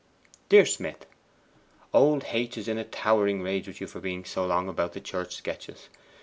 'DEAR SMITH, Old H. is in a towering rage with you for being so long about the church sketches.